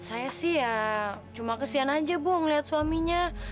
saya sih ya cuma kesian aja bu ngelihat suaminya